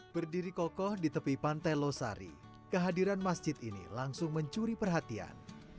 berdiri kokoh di tepi pantai losari kehadiran masjid ini langsung mencuri perhatian